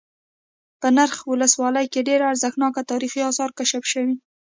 په نرخ ولسوالۍ كې ډېر ارزښتناك تاريخ آثار كشف شوي